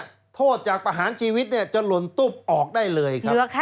ถ้าโทษจากประหารชีวิตเนี่ยจะหล่นตุ๊บออกได้เลยครับ